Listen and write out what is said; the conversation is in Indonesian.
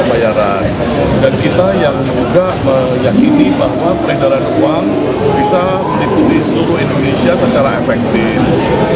dan kita yang juga meyakini bahwa perintah uang bisa menipu di seluruh indonesia secara efektif